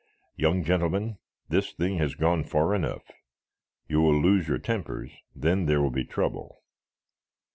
"Young gentlemen, this thing has gone far enough. You will lose your tempers, then there will be trouble."